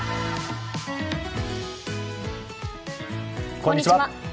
こんにちは。